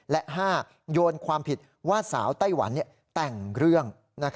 และ๕โยนความผิดว่าสาวไต้หวันแต่งเรื่อง